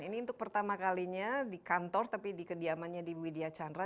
ini untuk pertama kalinya di kantor tapi di kediamannya di widya chandra